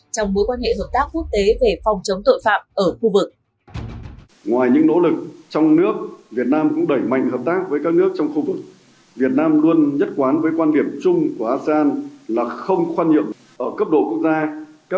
trong mối quan hệ hợp tác quốc tế về phòng chống tội phạm ở khu vực